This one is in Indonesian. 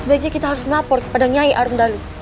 sebaiknya kita harus melapor kepada nyai arum dalu